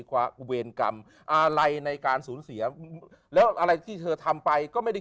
กว่าเวรกรรมอะไรในการสูญเสียแล้วอะไรที่เธอทำไปก็ไม่ได้